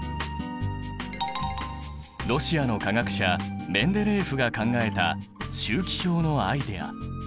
ロシアの化学者メンデレーエフが考えた周期表のアイデア。